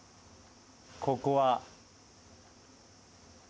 ここは。